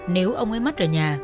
nếu ông ấy mất ở nhà